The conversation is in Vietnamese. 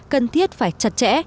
cần thiết phải chặt chẽ